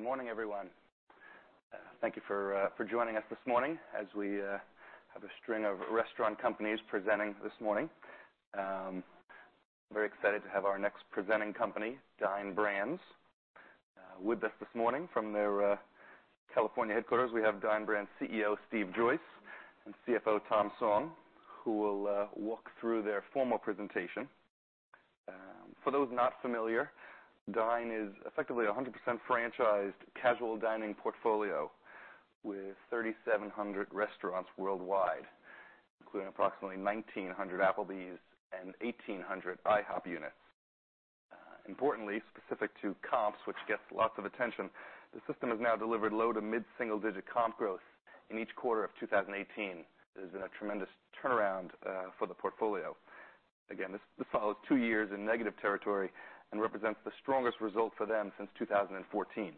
Good morning, everyone. Thank you for joining us this morning as we have a string of restaurant companies presenting this morning. Very excited to have our next presenting company, Dine Brands, with us this morning. From their California headquarters, we have Dine Brands CEO, Steve Joyce, and CFO, Tom Song, who will walk through their formal presentation. For those not familiar, Dine is effectively a 100% franchised casual dining portfolio with 3,700 restaurants worldwide, including approximately 1,900 Applebee's and 1,800 IHOP units. Importantly, specific to comps, which gets lots of attention, the system has now delivered low- to mid-single-digit comp growth in each quarter of 2018. This has been a tremendous turnaround for the portfolio. Again, this follows two years in negative territory and represents the strongest result for them since 2014.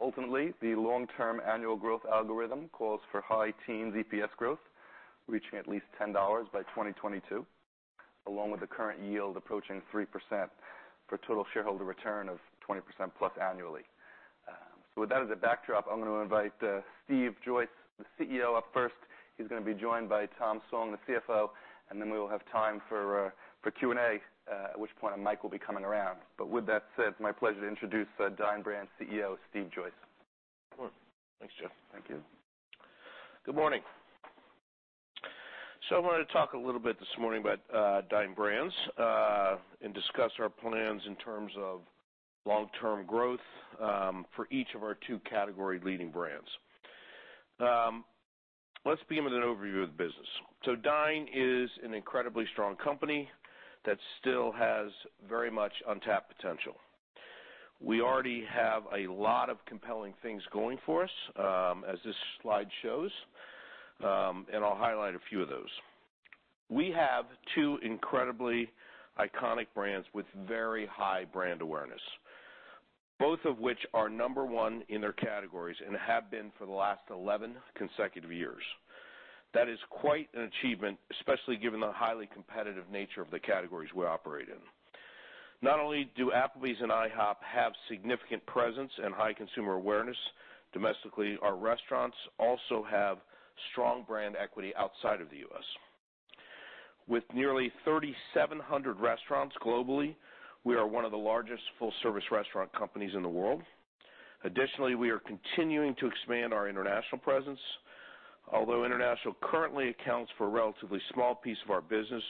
Ultimately, the long-term annual growth algorithm calls for high teen EPS growth, reaching at least $10 by 2022, along with the current yield approaching 3% for a total shareholder return of 20%+ annually. With that as a backdrop, I'm going to invite Steve Joyce, the CEO, up first. He's going to be joined by Tom Song, the CFO, and then we will have time for Q&A, at which point a mic will be coming around. With that said, it's my pleasure to introduce Dine Brands CEO, Steve Joyce. Thanks, Jeff. Thank you. Good morning. I wanted to talk a little bit this morning about Dine Brands and discuss our plans in terms of long-term growth for each of our two category-leading brands. Let's begin with an overview of the business. Dine is an incredibly strong company that still has very much untapped potential. We already have a lot of compelling things going for us, as this slide shows, and I'll highlight a few of those. We have two incredibly iconic brands with very high brand awareness, both of which are number one in their categories and have been for the last 11 consecutive years. That is quite an achievement, especially given the highly competitive nature of the categories we operate in. Not only do Applebee's and IHOP have significant presence and high consumer awareness domestically, our restaurants also have strong brand equity outside of the U.S. With nearly 3,700 restaurants globally, we are one of the largest full-service restaurant companies in the world. Additionally, we are continuing to expand our international presence. Although international currently accounts for a relatively small piece of our business,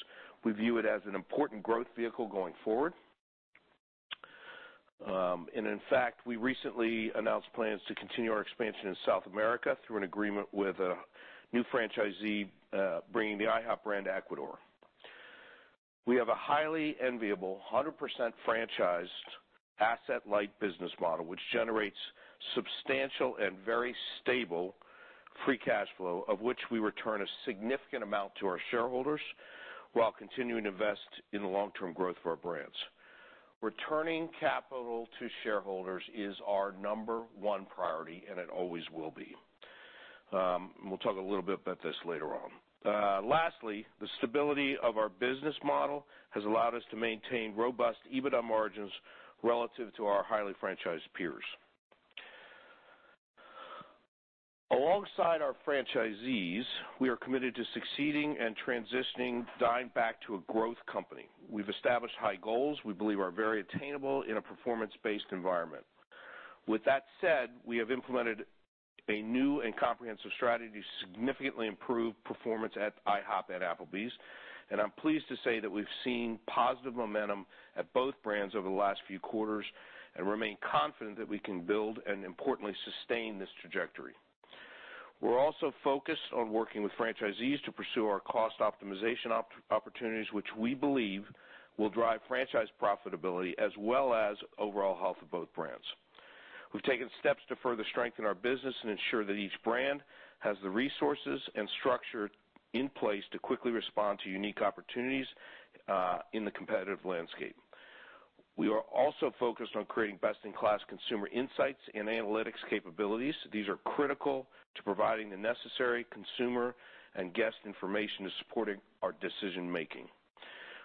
we view it as an important growth vehicle going forward. In fact, we recently announced plans to continue our expansion in South America through an agreement with a new franchisee, bringing the IHOP brand to Ecuador. We have a highly enviable 100% franchised asset-light business model, which generates substantial and very stable free cash flow, of which we return a significant amount to our shareholders while continuing to invest in the long-term growth of our brands. Returning capital to shareholders is our number one priority, and it always will be. We'll talk a little bit about this later on. Lastly, the stability of our business model has allowed us to maintain robust EBITDA margins relative to our highly franchised peers. Alongside our franchisees, we are committed to succeeding and transitioning Dine back to a growth company. We've established high goals we believe are very attainable in a performance-based environment. With that said, we have implemented a new and comprehensive strategy to significantly improve performance at IHOP and Applebee's. I'm pleased to say that we've seen positive momentum at both brands over the last few quarters and remain confident that we can build and importantly sustain this trajectory. We're also focused on working with franchisees to pursue our cost optimization opportunities, which we believe will drive franchise profitability as well as overall health of both brands. We've taken steps to further strengthen our business and ensure that each brand has the resources and structure in place to quickly respond to unique opportunities in the competitive landscape. We are also focused on creating best-in-class consumer insights and analytics capabilities. These are critical to providing the necessary consumer and guest information to supporting our decision-making.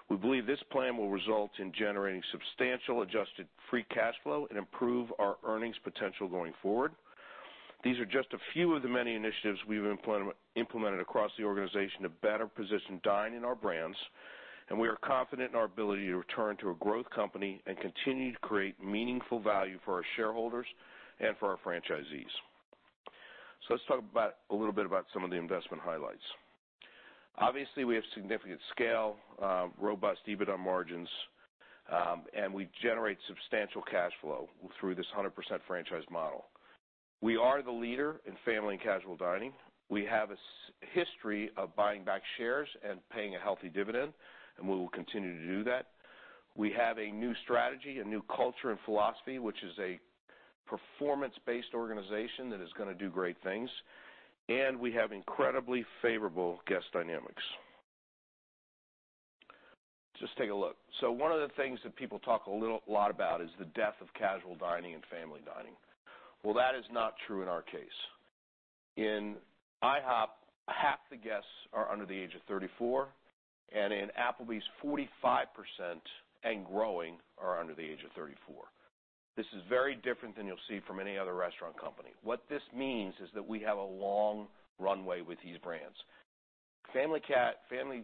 We believe this plan will result in generating substantial adjusted free cash flow and improve our earnings potential going forward. These are just a few of the many initiatives we've implemented across the organization to better position Dine and our brands. We are confident in our ability to return to a growth company and continue to create meaningful value for our shareholders and for our franchisees. Let's talk a little bit about some of the investment highlights. We have significant scale, robust EBITDA margins, and we generate substantial cash flow through this 100% franchise model. We are the leader in family and casual dining. We have a history of buying back shares and paying a healthy dividend, and we will continue to do that. We have a new strategy, a new culture and philosophy, which is a performance-based organization that is going to do great things. We have incredibly favorable guest dynamics. Just take a look. One of the things that people talk a lot about is the death of casual dining and family dining. That is not true in our case. In IHOP, half the guests are under the age of 34, and in Applebee's, 45% and growing are under the age of 34. This is very different than you'll see from any other restaurant company. What this means is that we have a long runway with these brands. Family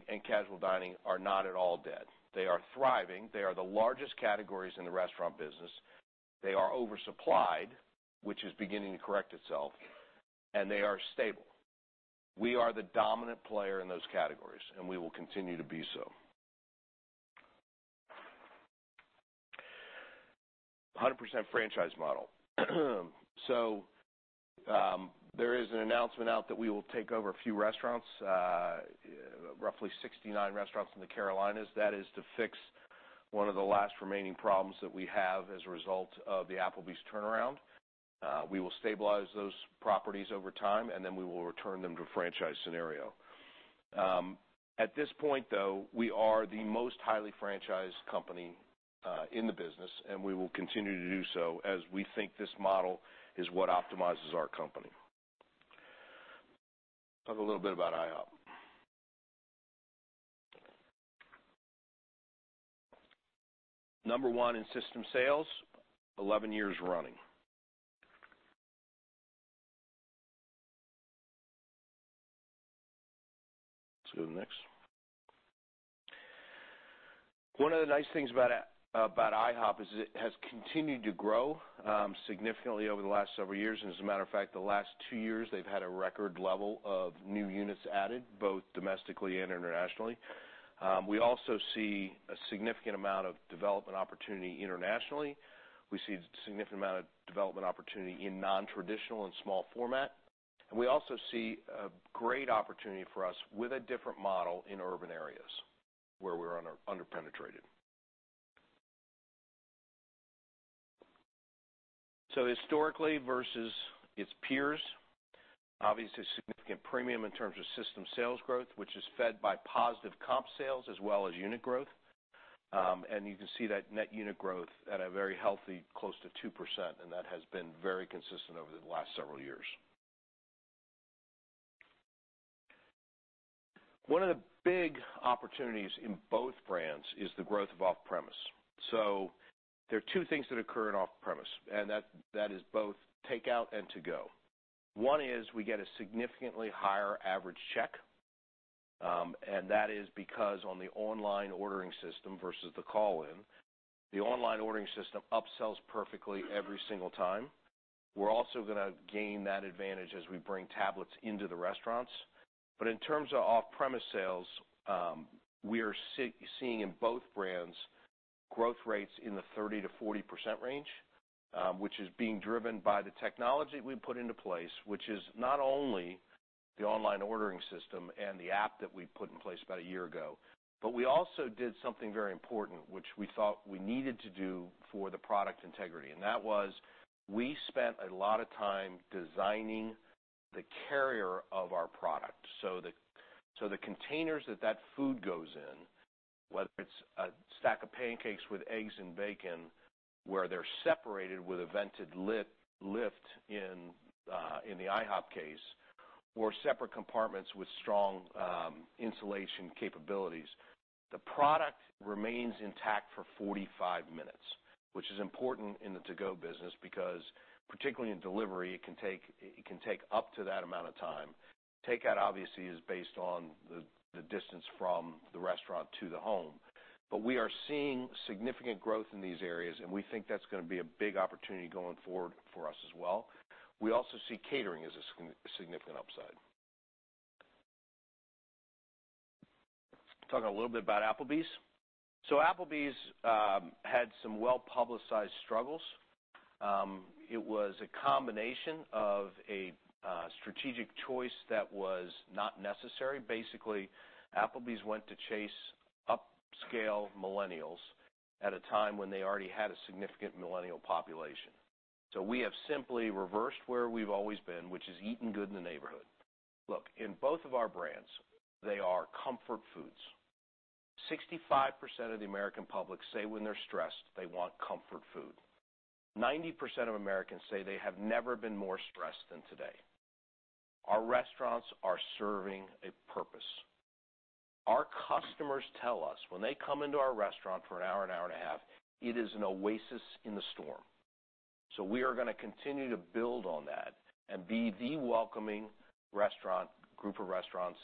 and casual dining are not at all dead. They are thriving. They are the largest categories in the restaurant business. They are oversupplied, which is beginning to correct itself, and they are stable. We are the dominant player in those categories, and we will continue to be so. 100% franchise model. There is an announcement out that we will take over a few restaurants, roughly 69 restaurants in the Carolinas. That is to fix one of the last remaining problems that we have as a result of the Applebee's turnaround. We will stabilize those properties over time, we will return them to a franchise scenario. At this point, though, we are the most highly franchised company in the business, and we will continue to do so as we think this model is what optimizes our company. Talk a little bit about IHOP. Number 1 in system sales, 11 years running. Let's go to the next. One of the nice things about IHOP is it has continued to grow significantly over the last several years, and as a matter of fact, the last two years, they've had a record level of new units added, both domestically and internationally. We also see a significant amount of development opportunity internationally. We see a significant amount of development opportunity in non-traditional and small format. We also see a great opportunity for us with a different model in urban areas where we're under-penetrated. Historically versus its peers, obviously a significant premium in terms of system sales growth, which is fed by positive comp sales as well as unit growth. You can see that net unit growth at a very healthy close to 2%, and that has been very consistent over the last several years. One of the big opportunities in both brands is the growth of off-premise. There are two things that occur in off-premise, and that is both takeout and to-go. One is we get a significantly higher average check, and that is because on the online ordering system versus the call-in, the online ordering system upsells perfectly every single time. We're also going to gain that advantage as we bring tablets into the restaurants. In terms of off-premise sales, we are seeing in both brands growth rates in the 30%-40% range, which is being driven by the technology we put into place, which is not only the online ordering system and the app that we put in place about a year ago. We also did something very important, which we thought we needed to do for the product integrity, and that was we spent a lot of time designing the carrier of our product. The containers that that food goes in, whether it's a stack of pancakes with eggs and bacon, where they're separated with a vented lift in the IHOP case, or separate compartments with strong insulation capabilities. The product remains intact for 45 minutes, which is important in the to-go business because, particularly in delivery, it can take up to that amount of time. Takeout obviously is based on the distance from the restaurant to the home. We are seeing significant growth in these areas, and we think that's going to be a big opportunity going forward for us as well. We also see catering as a significant upside. Talk a little bit about Applebee's. Applebee's had some well-publicized struggles. It was a combination of a strategic choice that was not necessary. Basically, Applebee's went to chase upscale millennials at a time when they already had a significant millennial population. We have simply reversed where we've always been, which is Eatin' Good in the Neighborhood. Look, in both of our brands, they are comfort foods. 65% of the American public say when they're stressed, they want comfort food. 90% of Americans say they have never been more stressed than today. Our restaurants are serving a purpose. Our customers tell us when they come into our restaurant for an hour, an hour and a half, it is an oasis in the storm. We are going to continue to build on that and be the welcoming group of restaurants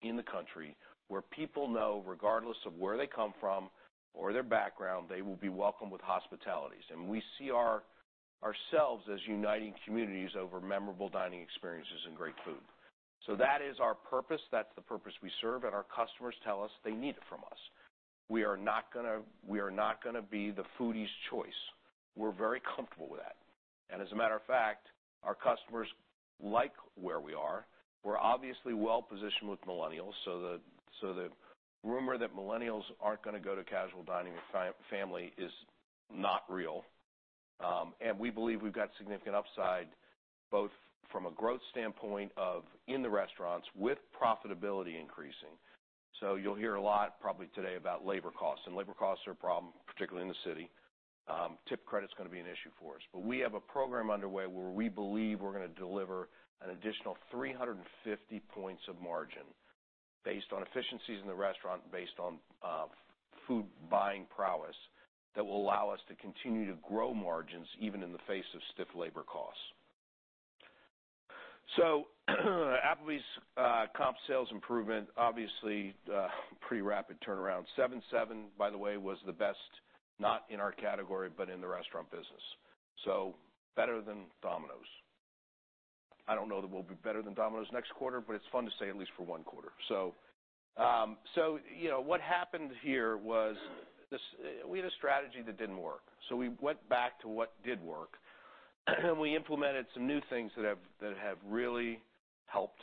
in the country where people know, regardless of where they come from or their background, they will be welcomed with hospitalities. We see ourselves as uniting communities over memorable dining experiences and great food. That is our purpose, that's the purpose we serve, and our customers tell us they need it from us. We are not going to be the foodie's choice. We're very comfortable with that. As a matter of fact, our customers like where we are. We're obviously well-positioned with millennials, so the rumor that millennials aren't going to go to casual dining with family is not real. We believe we've got significant upside, both from a growth standpoint of in the restaurants with profitability increasing. You'll hear a lot probably today about labor costs, and labor costs are a problem, particularly in the city. Tip credit is going to be an issue for us. We have a program underway where we believe we're going to deliver an additional 350 basis points of margin based on efficiencies in the restaurant, based on food buying prowess, that will allow us to continue to grow margins even in the face of stiff labor costs. Applebee's comp sales improvement, obviously, pretty rapid turnaround. 7.7%, by the way, was the best, not in our category, but in the restaurant business. Better than Domino's. I don't know that we'll be better than Domino's next quarter, but it's fun to say at least for one quarter. What happened here was we had a strategy that didn't work. We went back to what did work, we implemented some new things that have really helped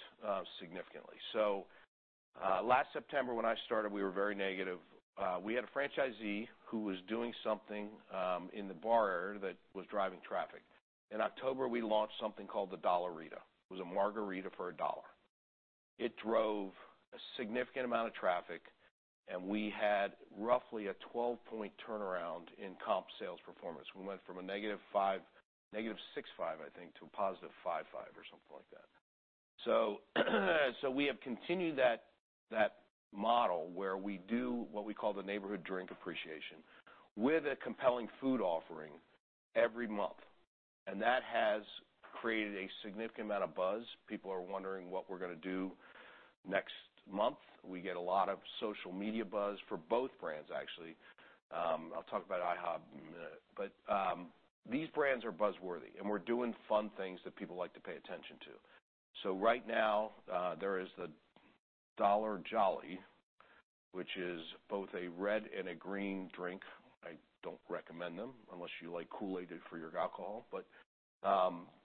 significantly. Last September when I started, we were very negative. We had a franchisee who was doing something in the bar area that was driving traffic. In October, we launched something called the Dollarita. It was a margarita for $1. It drove a significant amount of traffic, and we had roughly a 12-point turnaround in comp sales performance. We went from a negative 6.5, I think, to a positive 5.5 or something like that. We have continued that model where we do what we call the Neighborhood Drink Appreciation with a compelling food offering every month. That has created a significant amount of buzz. People are wondering what we're going to do next month. We get a lot of social media buzz for both brands, actually. I'll talk about IHOb in a minute. These brands are buzz-worthy, and we're doing fun things that people like to pay attention to. Right now, there is the Dollar Jolly, which is both a red and a green drink. I don't recommend them unless you like Kool-Aid for your alcohol.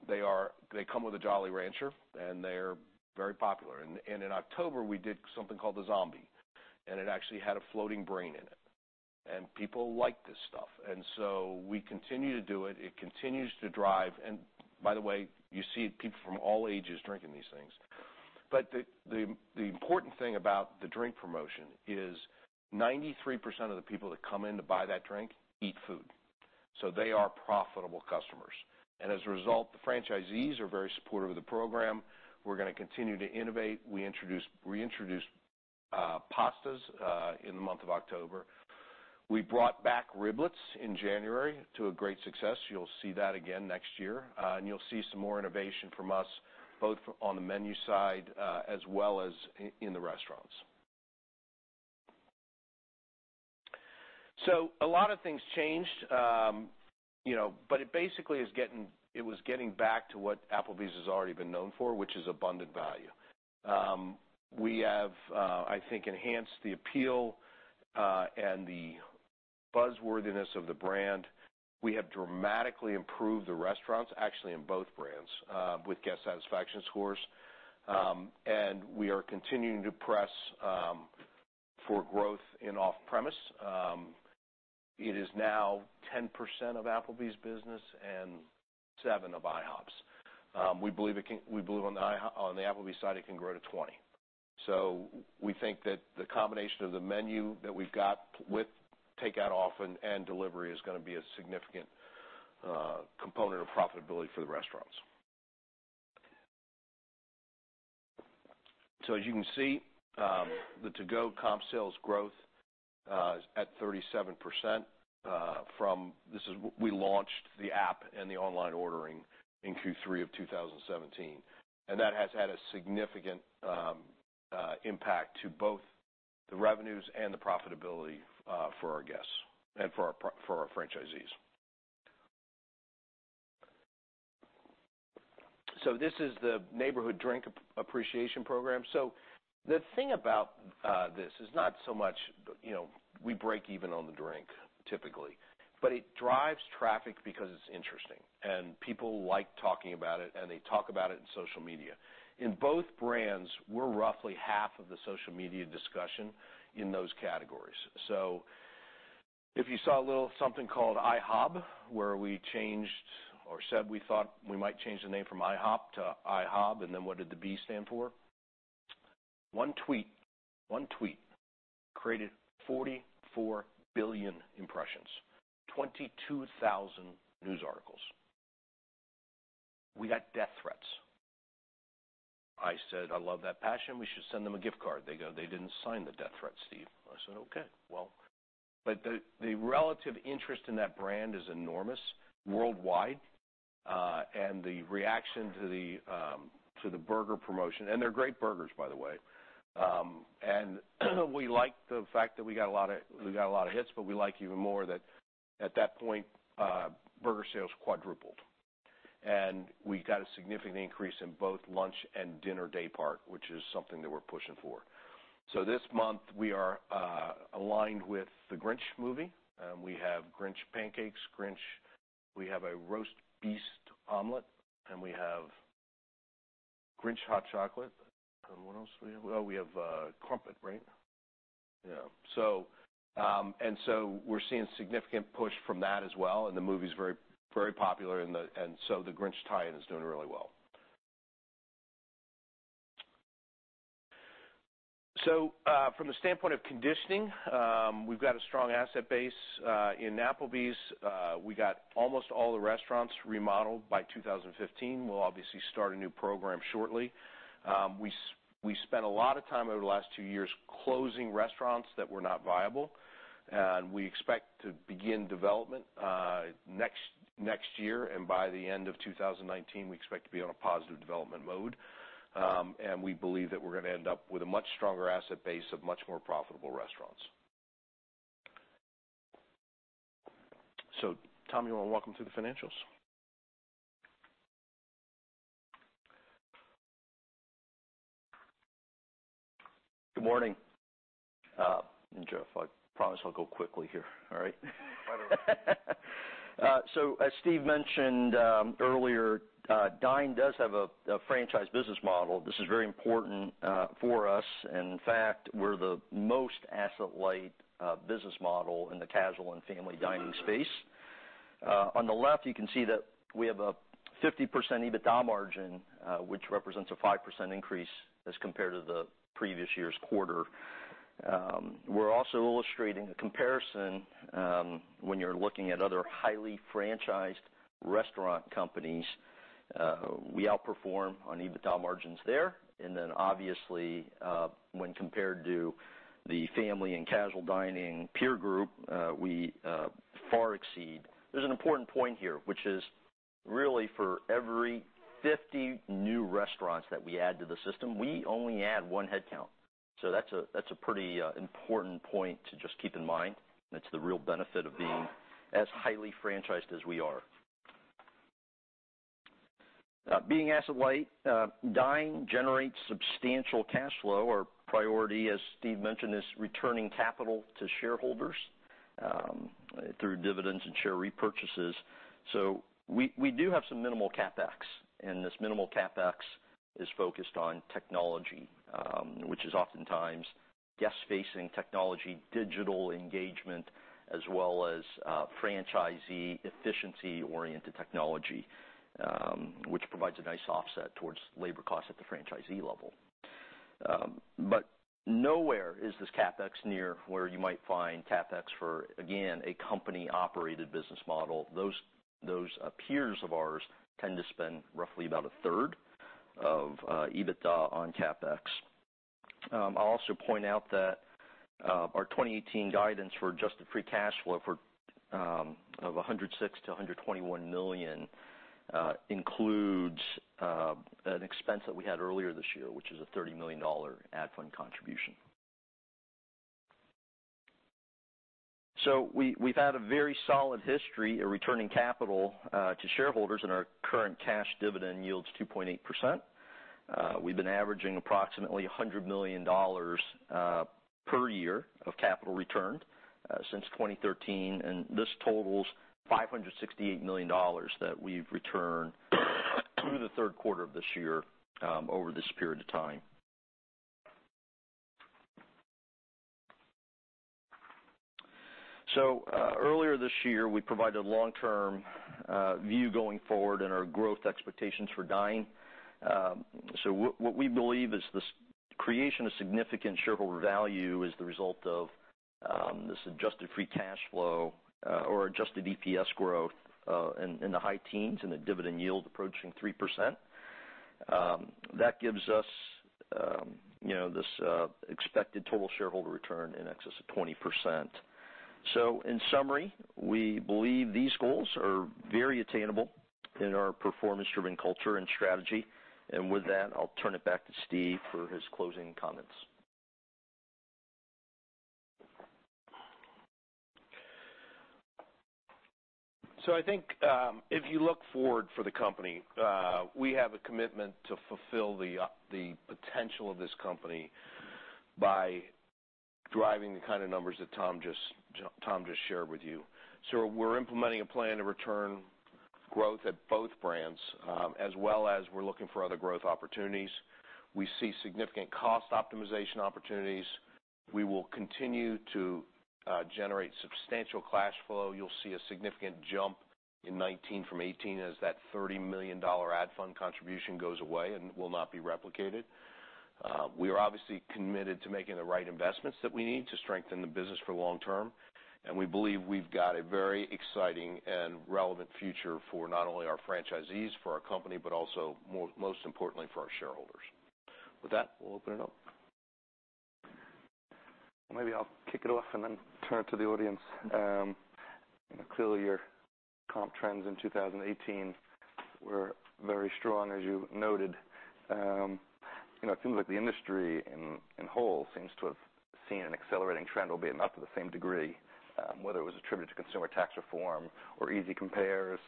They come with a Jolly Rancher, and they're very popular. In October, we did something called the Zombie, and it actually had a floating brain in it. People like this stuff. We continue to do it. It continues to drive. By the way, you see people from all ages drinking these things. The important thing about the drink promotion is 93% of the people that come in to buy that drink, eat food. They are profitable customers. As a result, the franchisees are very supportive of the program. We're going to continue to innovate. We introduced pastas in the month of October. We brought back riblets in January to a great success. You'll see that again next year, and you'll see some more innovation from us, both on the menu side as well as in the restaurants. A lot of things changed, but it basically was getting back to what Applebee's has already been known for, which is abundant value. We have I think enhanced the appeal, and the buzz worthiness of the brand. We have dramatically improved the restaurants, actually in both brands, with guest satisfaction scores. We are continuing to press for growth in off-premise. It is now 10% of Applebee's business and 7% of IHOP's. We believe on the Applebee's side, it can grow to 20%. We think that the combination of the menu that we've got with takeout often and delivery is going to be a significant component of profitability for the restaurants. As you can see, the to-go comp sales growth is at 37% from. We launched the app and the online ordering in Q3 of 2017. That has had a significant impact to both the revenues and the profitability for our guests and for our franchisees. This is the Neighborhood Drink Appreciation program. The thing about this is not so much we break even on the drink typically, but it drives traffic because it's interesting and people like talking about it, and they talk about it in social media. In both brands, we're roughly half of the social media discussion in those categories. If you saw a little something called IHOb, where we changed or said we thought we might change the name from IHOP to IHOb, what did the B stand for? One tweet created 44 billion impressions, 22,000 news articles. We got death threats. I said, "I love that passion. We should send them a gift card." They go, "They didn't sign the death threat, Steve." I said, "Okay. Well." The relative interest in that brand is enormous worldwide. The reaction to the burger promotion, and they're great burgers, by the way. We like the fact that we got a lot of hits, but we like even more that at that point, burger sales quadrupled. We got a significant increase in both lunch and dinner day part, which is something that we're pushing for. This month, we are aligned with "The Grinch" movie. We have Grinch pancakes. We have a Roast Beast Omelet, we have Grinch hot chocolate. What else do we have? Oh, we have Crêpes, right? Yeah. We're seeing significant push from that as well, the movie's very popular, the Grinch tie-in is doing really well. From the standpoint of conditioning, we've got a strong asset base in Applebee's. We got almost all the restaurants remodeled by 2015. We'll obviously start a new program shortly. We spent a lot of time over the last two years closing restaurants that were not viable, we expect to begin development next year. By the end of 2019, we expect to be on a positive development mode. We believe that we're going to end up with a much stronger asset base of much more profitable restaurants. Tom, you want to walk them through the financials? Good morning. Jeff, I promise I'll go quickly here. All right? Fine with me. As Steve mentioned earlier, Dine does have a franchise business model. This is very important for us. In fact, we're the most asset-light business model in the casual and family dining space. On the left, you can see that we have a 50% EBITDA margin, which represents a 5% increase as compared to the previous year's quarter. We're also illustrating a comparison when you're looking at other highly franchised restaurant companies. We outperform on EBITDA margins there, and obviously, when compared to the family and casual dining peer group, we far exceed. There's an important point here, which is really for every 50 new restaurants that we add to the system, we only add one headcount. That's a pretty important point to just keep in mind. That's the real benefit of being as highly franchised as we are. Being asset light, Dine generates substantial cash flow. Our priority, as Steve mentioned, is returning capital to shareholders through dividends and share repurchases. We do have some minimal CapEx, and this minimal CapEx is focused on technology, which is oftentimes guest-facing technology, digital engagement, as well as franchisee efficiency-oriented technology, which provides a nice offset towards labor costs at the franchisee level. Nowhere is this CapEx near where you might find CapEx for, again, a company-operated business model. Those peers of ours tend to spend roughly about 1/3 of EBITDA on CapEx. I'll also point out that our 2018 guidance for adjusted free cash flow of $106 million-$121 million includes an expense that we had earlier this year, which is a $30 million ad fund contribution. We've had a very solid history of returning capital to shareholders, and our current cash dividend yields 2.8%. We've been averaging approximately $100 million per year of capital return since 2013, and this totals $568 million that we've returned through the third quarter of this year over this period of time. Earlier this year, we provided long-term view going forward and our growth expectations for Dine. What we believe is this creation of significant shareholder value is the result of this adjusted free cash flow or adjusted EPS growth in the high teens and a dividend yield approaching 3%. That gives us this expected total shareholder return in excess of 20%. In summary, we believe these goals are very attainable in our performance-driven culture and strategy. With that, I'll turn it back to Steve for his closing comments. I think if you look forward for the company, we have a commitment to fulfill the potential of this company by driving the kind of numbers that Tom just shared with you. We're implementing a plan to return growth at both brands, as well as we're looking for other growth opportunities. We see significant cost optimization opportunities. We will continue to generate substantial cash flow. You'll see a significant jump in 2019 from 2018 as that $30 million ad fund contribution goes away and will not be replicated. We are obviously committed to making the right investments that we need to strengthen the business for long term, and we believe we've got a very exciting and relevant future for not only our franchisees, for our company, but also most importantly for our shareholders. With that, we'll open it up. Maybe I'll kick it off and then turn it to the audience. Clearly, your comp trends in 2018 were very strong, as you noted. It seems like the industry in whole seems to have seen an accelerating trend, albeit not to the same degree. Whether it was attributed to consumer tax reform or easy compares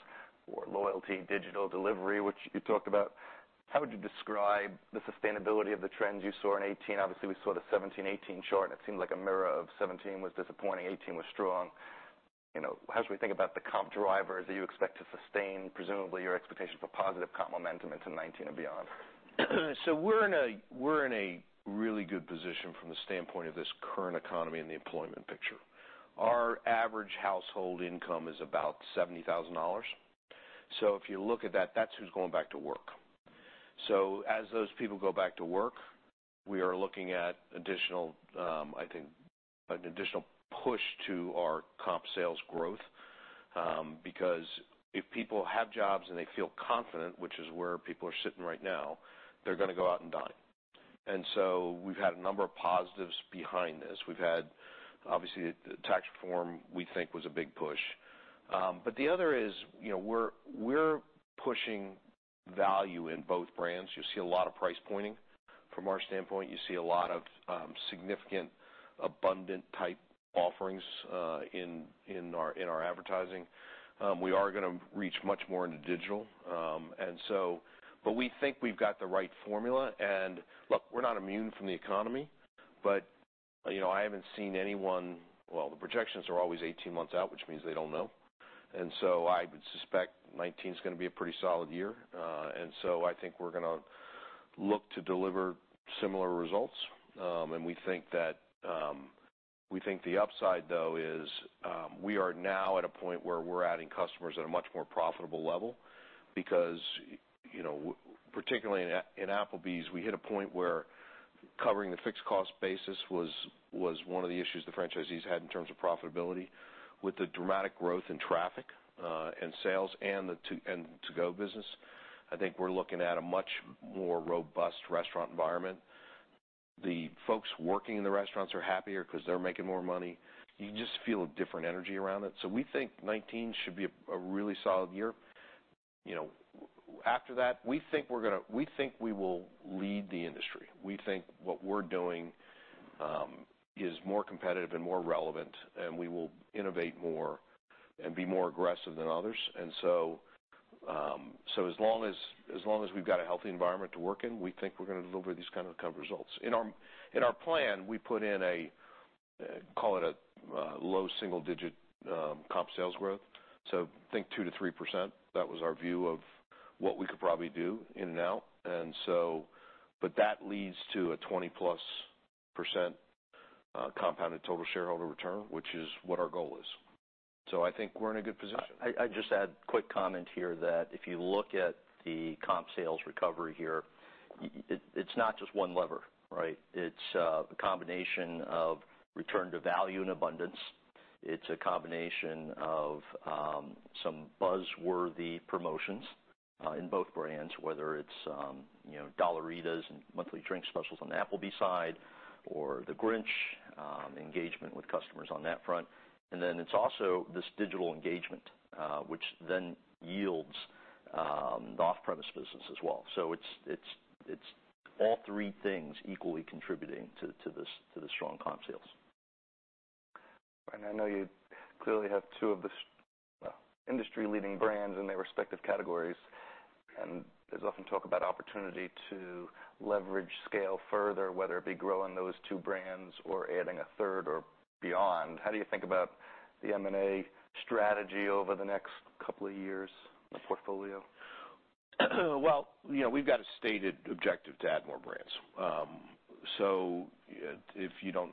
or loyalty, digital delivery, which you talked about. How would you describe the sustainability of the trends you saw in 2018? Obviously, we saw the 2017-2018 short. It seemed like a mirror of 2017 was disappointing, 2018 was strong. How should we think about the comp drivers that you expect to sustain, presumably your expectations for positive comp momentum into 2019 and beyond? We're in a really good position from the standpoint of this current economy and the employment picture. Our average household income is about $70,000. If you look at that's who's going back to work. As those people go back to work, we are looking at, I think, an additional push to our comp sales growth. Because if people have jobs and they feel confident, which is where people are sitting right now, they're going to go out and dine. We've had a number of positives behind this. We've had, obviously, the tax reform, we think, was a big push. The other is we're pushing value in both brands. You'll see a lot of price pointing from our standpoint. You see a lot of significant abundant type offerings in our advertising. We are going to reach much more into digital. We think we've got the right formula. Look, we're not immune from the economy, but I haven't seen anyone. Well, the projections are always 18 months out, which means they don't know. I would suspect 2019 is going to be a pretty solid year. I think we're going to look to deliver similar results. We think the upside, though, is we are now at a point where we're adding customers at a much more profitable level because, particularly in Applebee's, we hit a point where covering the fixed cost basis was one of the issues the franchisees had in terms of profitability. With the dramatic growth in traffic and sales and to-go business, I think we're looking at a much more robust restaurant environment. The folks working in the restaurants are happier because they're making more money. You just feel a different energy around it. We think 2019 should be a really solid year. After that, we think we will lead the industry. We think what we're doing is more competitive and more relevant, we will innovate more and be more aggressive than others. As long as we've got a healthy environment to work in, we think we're going to deliver these kind of results. In our plan, we put in a, call it a low single-digit comp sales growth. Think 2%-3%. That was our view of what we could probably do in and out. That leads to a 20%+ compounded total shareholder return, which is what our goal is. I think we're in a good position. I just add quick comment here that if you look at the comp sales recovery here, it's not just one lever, right? It's a combination of return to value and abundance. It's a combination of some buzz-worthy promotions in both brands, whether it's Dollaritas and monthly drink specials on the Applebee's side or The Grinch engagement with customers on that front. It's also this digital engagement, which then yields the off-premise business as well. It's all three things equally contributing to the strong comp sales. I know you clearly have two of the industry-leading brands in their respective categories, and there's often talk about opportunity to leverage scale further, whether it be growing those two brands or adding 1/3 or beyond. How do you think about the M&A strategy over the next couple of years in the portfolio? We've got a stated objective to add more brands.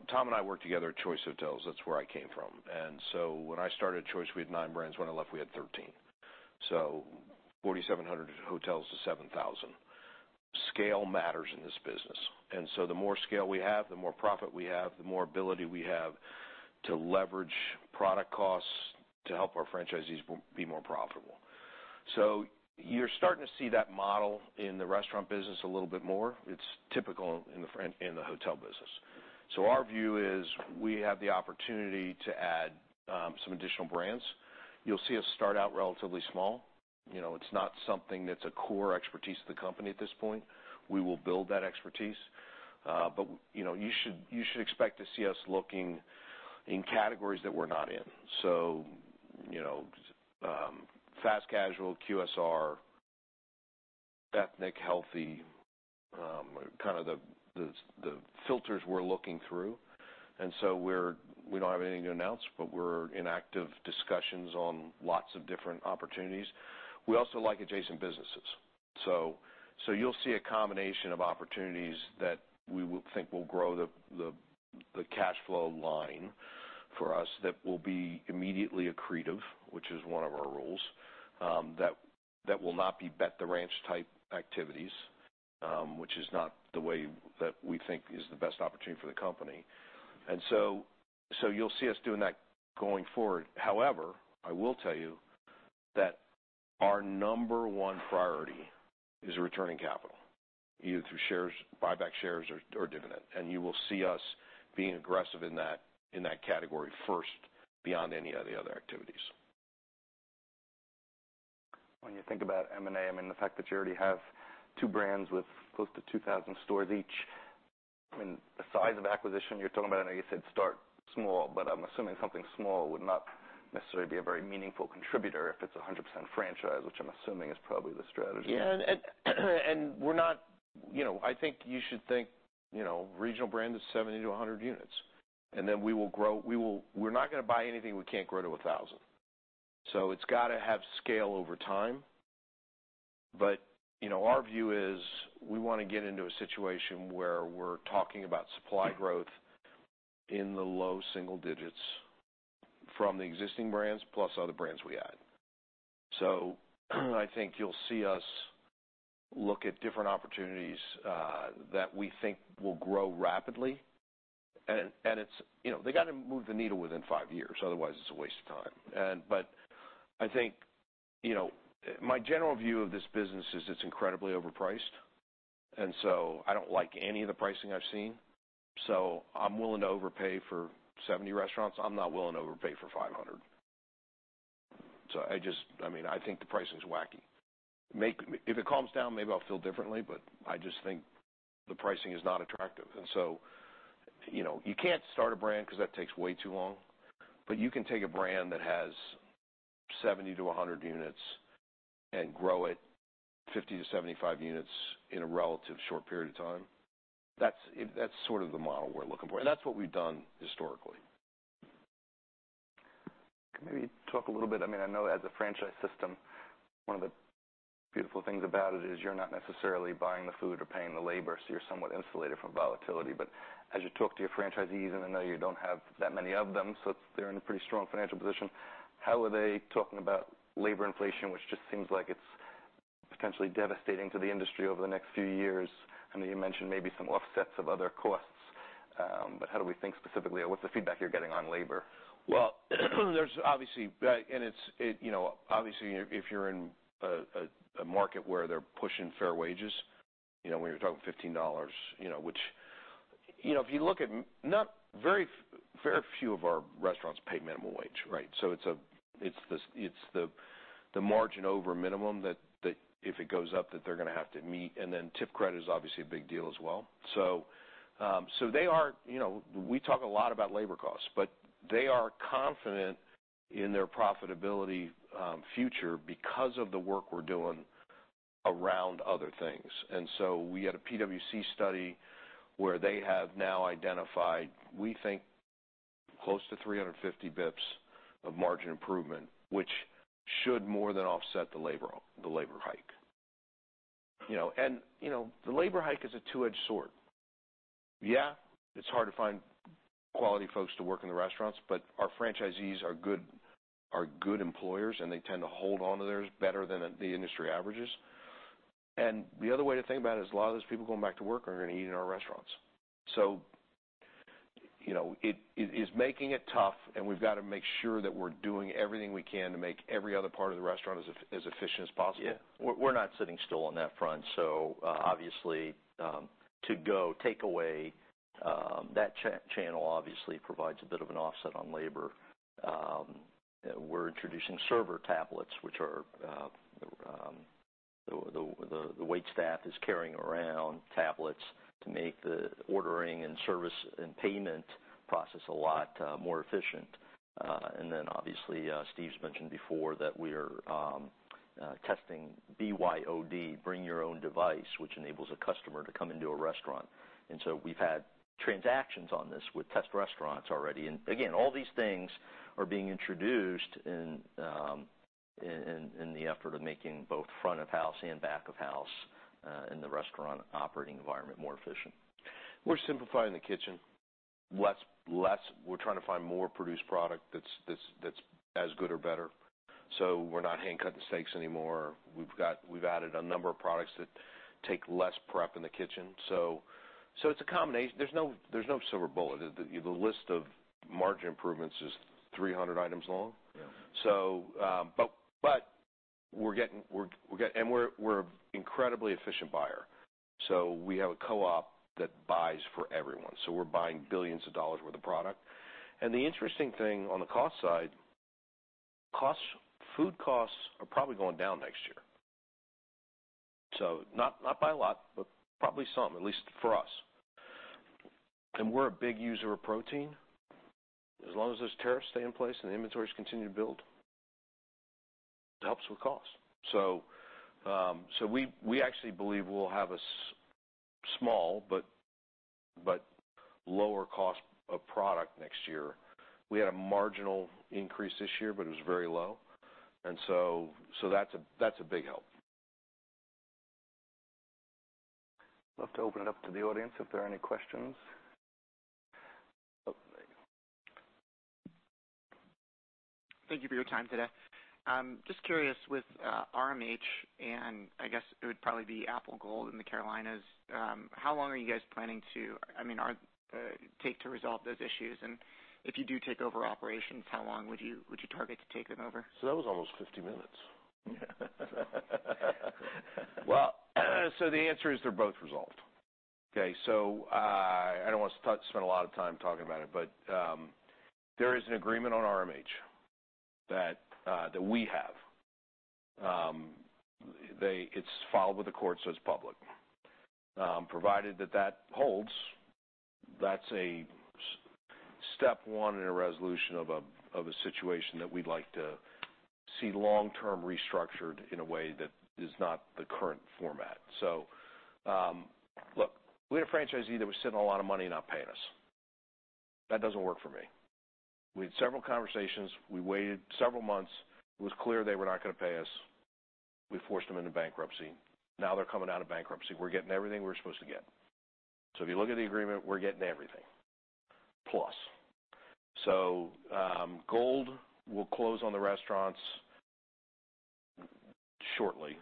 Tom and I worked together at Choice Hotels. That's where I came from. When I started Choice, we had nine brands. When I left, we had 13. 4,700 hotels to 7,000. Scale matters in this business, the more scale we have, the more profit we have, the more ability we have to leverage product costs to help our franchisees be more profitable. You're starting to see that model in the restaurant business a little bit more. It's typical in the hotel business. Our view is we have the opportunity to add some additional brands. You'll see us start out relatively small. It's not something that's a core expertise of the company at this point. We will build that expertise. You should expect to see us looking in categories that we're not in. Fast casual, QSR, ethnic, healthy, kind of the filters we're looking through. We don't have anything to announce, but we're in active discussions on lots of different opportunities. We also like adjacent businesses. You'll see a combination of opportunities that we think will grow the cash flow line for us that will be immediately accretive, which is one of our rules, that will not be bet the ranch type activities, which is not the way that we think is the best opportunity for the company. You'll see us doing that going forward. However, I will tell you that our number one priority is returning capital, either through buyback shares or dividend. You will see us being aggressive in that category first beyond any of the other activities. When you think about M&A, I mean, the fact that you already have two brands with close to 2,000 stores each, I mean, the size of acquisition you're talking about, I know you said start small, but I'm assuming something small would not necessarily be a very meaningful contributor if it's 100% franchise, which I'm assuming is probably the strategy. Yeah. I think you should think regional brand is 70 to 100 units. We're not going to buy anything we can't grow to 1,000. It's got to have scale over time. Our view is we want to get into a situation where we're talking about supply growth in the low single digits from the existing brands plus other brands we add. I think you'll see us look at different opportunities that we think will grow rapidly. They've got to move the needle within five years, otherwise it's a waste of time. I think my general view of this business is it's incredibly overpriced, I don't like any of the pricing I've seen. I'm willing to overpay for 70 restaurants. I'm not willing to overpay for 500. I think the pricing's wacky. If it calms down, maybe I'll feel differently, but I just think the pricing is not attractive. You can't start a brand because that takes way too long, but you can take a brand that has 70 to 100 units and grow it 50 to 75 units in a relative short period of time. That's sort of the model we're looking for, and that's what we've done historically. Can maybe talk a little bit, I know as a franchise system, one of the beautiful things about it is you're not necessarily buying the food or paying the labor, so you're somewhat insulated from volatility. As you talk to your franchisees, and I know you don't have that many of them, so they're in a pretty strong financial position. How are they talking about labor inflation, which just seems like it's potentially devastating to the industry over the next few years? I know you mentioned maybe some offsets of other costs. How do we think specifically, or what's the feedback you're getting on labor? Obviously, if you're in a market where they're pushing fair wages, when you're talking $15, which if you look at very few of our restaurants pay minimum wage, right? It's the margin over minimum that if it goes up, that they're going to have to meet, and then tip credit is obviously a big deal as well. We talk a lot about labor costs, but they are confident in their profitability future because of the work we're doing around other things. We had a PwC study where they have now identified, we think, close to 350 basis points of margin improvement, which should more than offset the labor hike. The labor hike is a two-edged sword. Yeah, it's hard to find quality folks to work in the restaurants, but our franchisees are good employers, and they tend to hold onto theirs better than the industry averages. The other way to think about it is a lot of those people going back to work are going to eat in our restaurants. It is making it tough, and we've got to make sure that we're doing everything we can to make every other part of the restaurant as efficient as possible. Yeah. We're not sitting still on that front. Obviously, to go takeaway, that channel obviously provides a bit of an offset on labor. We're introducing server tablets, which are the waitstaff is carrying around tablets to make the ordering and service and payment process a lot more efficient. Obviously, Steve's mentioned before that we are testing BYOD, bring your own device, which enables a customer to come into a restaurant. We've had transactions on this with test restaurants already. Again, all these things are being introduced in the effort of making both front of house and back of house in the restaurant operating environment more efficient. We're simplifying the kitchen. We're trying to find more produced product that's as good or better. We're not hand-cutting steaks anymore. We've added a number of products that take less prep in the kitchen. It's a combination. There's no silver bullet. The list of margin improvements is 300 items long. Yeah. We're an incredibly efficient buyer. We have a co-op that buys for everyone. We're buying billions of dollars worth of product. The interesting thing on the cost side, food costs are probably going down next year. Not by a lot, but probably some, at least for us. We're a big user of protein. As long as those tariffs stay in place and the inventories continue to build, it helps with cost. We actually believe we'll have a small but lower cost of product next year. We had a marginal increase this year, but it was very low, and that's a big help. Love to open it up to the audience if there are any questions. Oh, there you go. Thank you for your time today. Just curious, with RMH and I guess it would probably be Apple Gold Group in the Carolinas, how long are you guys planning to take to resolve those issues? If you do take over operations, how long would you target to take them over? That was almost 50 minutes. The answer is they're both resolved, okay? I don't want to spend a lot of time talking about it, but there is an agreement on RMH that we have. It's filed with the court, so it's public. Provided that that holds, that's a step one in a resolution of a situation that we'd like to see long-term restructured in a way that is not the current format. Look, we had a franchisee that was sitting on a lot of money not paying us. That doesn't work for me. We had several conversations. We waited several months. It was clear they were not going to pay us. We forced them into bankruptcy. Now they're coming out of bankruptcy. We're getting everything we're supposed to get. If you look at the agreement, we're getting everything, plus. Gold will close on the restaurants shortly.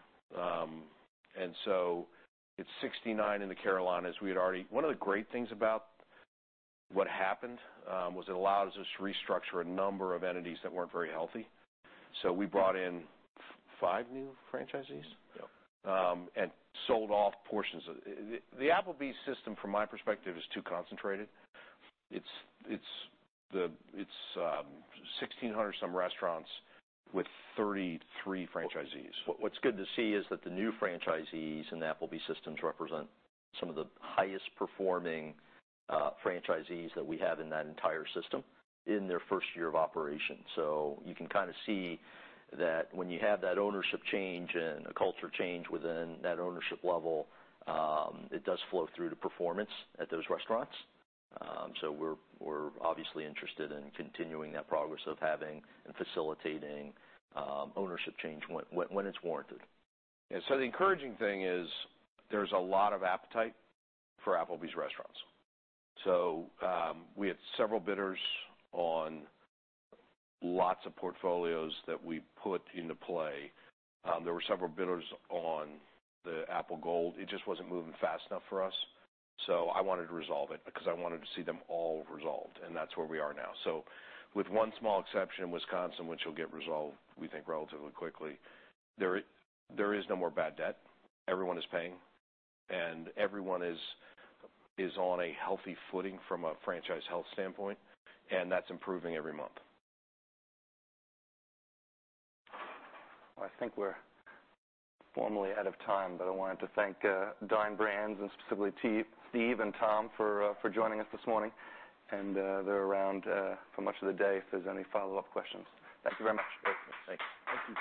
It's 69 in the Carolinas. One of the great things about what happened was it allows us to restructure a number of entities that weren't very healthy. We brought in five new franchisees? Yep. Sold off portions of the Applebee's system, from my perspective, is too concentrated. It's 1,600-some restaurants with 33 franchisees. What's good to see is that the new franchisees in the Applebee's systems represent some of the highest performing franchisees that we have in that entire system in their first year of operation. You can kind of see that when you have that ownership change and a culture change within that ownership level, it does flow through to performance at those restaurants. We're obviously interested in continuing that progress of having and facilitating ownership change when it's warranted. The encouraging thing is there's a lot of appetite for Applebee's restaurants. We had several bidders on lots of portfolios that we put into play. There were several bidders on the Apple Gold. It just wasn't moving fast enough for us. I wanted to resolve it because I wanted to see them all resolved, and that's where we are now. With one small exception, Wisconsin, which will get resolved, we think, relatively quickly, there is no more bad debt. Everyone is paying, and everyone is on a healthy footing from a franchise health standpoint, and that's improving every month. I think we're formally out of time, but I wanted to thank Dine Brands, and specifically Steve and Tom for joining us this morning. They're around for much of the day if there's any follow-up questions. Thank you very much. Great. Thanks. Thank you.